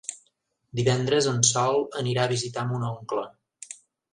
Divendres en Sol anirà a visitar mon oncle.